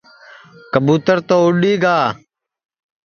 کٻُوتر تو اُڈؔی گا